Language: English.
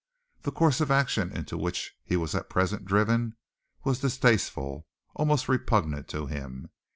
The course of action into which he was at present driven was distasteful almost repugnant to him.